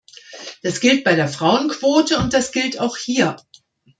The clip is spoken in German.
Das gilt bei der Frauenquote und das gilt auch hier.